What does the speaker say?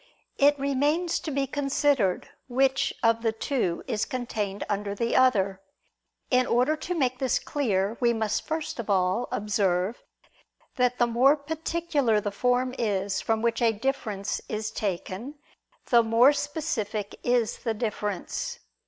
It remains to be considered which of the two is contained under the other. In order to make this clear, we must first of all observe that the more particular the form is from which a difference is taken, the more specific is the difference.